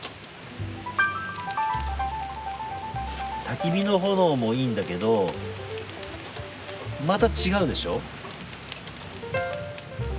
たき火の炎もいいんだけどまた違うでしょ？